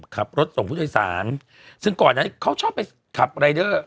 ขับรถส่งผู้โดยสารซึ่งก่อนนั้นเขาชอบไปขับรายเดอร์